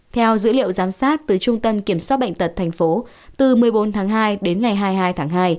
theo dữ liệu giám sát từ trung tâm kiểm soát bệnh tật tp từ một mươi bốn tháng hai đến ngày hai mươi hai tháng hai